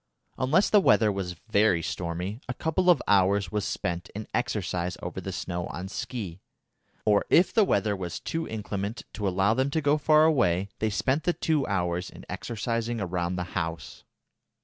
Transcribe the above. Unless the weather was very stormy, a couple of hours was spent in exercise over the snow on ski, or if the weather was too inclement to allow them to go far away, they spent the two hours in exercising round the house.